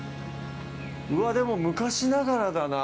うわぁ、でも、昔ながらだな。